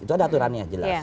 itu ada aturannya jelas